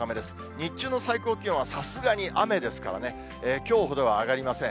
日中の最高気温はさすがに雨ですからね、きょうほどは上がりません。